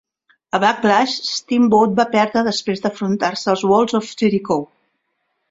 A Backlash, Steamboat va perdre després d'enfrontar-se als Walls of Jericho.